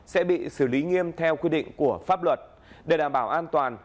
sẽ bị xử lý nghiêm theo quy định của pháp luật để đảm bảo an toàn